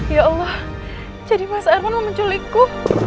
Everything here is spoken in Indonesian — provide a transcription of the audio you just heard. ya allah jadi mas herman mau menculikku